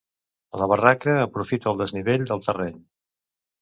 La barraca aprofita el desnivell del terreny.